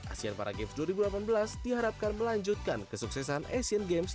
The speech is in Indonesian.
asian para games dua ribu delapan belas diharapkan melanjutkan kesuksesan asian games dua ribu delapan belas